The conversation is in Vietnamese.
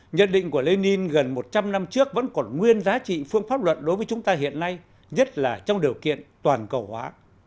nhận định của lenin gần một trăm linh năm trước vẫn còn nguyên giá trị phương pháp luận đối với chúng ta hiện nay nhất là trong điều kiện toàn cầu hóa